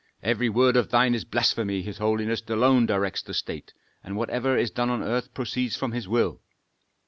every word of thine is blasphemy. His holiness alone directs the state, and whatever is done on earth proceeds from his will.